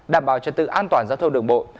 đảm bảo trật tự an toàn giao thông đường bộ